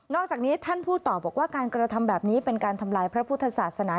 อกจากนี้ท่านพูดต่อบอกว่าการกระทำแบบนี้เป็นการทำลายพระพุทธศาสนา